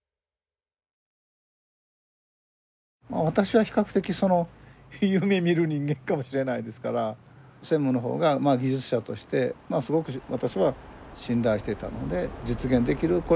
私は比較的その夢みる人間かもしれないですから専務の方が技術者としてすごく私は信頼していたので実現できる？